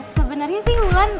sebenernya sih bulan